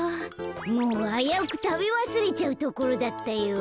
もうあやうくたべわすれちゃうところだったよ。